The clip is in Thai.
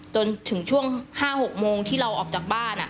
จนถึงช่วง๕๖โมงที่เราออกจากบ้าน